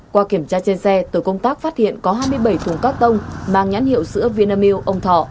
qua kiểm tra trên xe tổ công tác phát hiện có hai mươi bảy thùng cotton mang nhãn hiệu sữa vietnam milk ông thọ